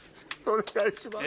お願いします。